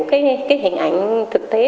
cái hình ảnh thực tế